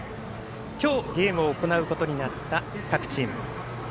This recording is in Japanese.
今日、ゲームを行うことになった各チーム。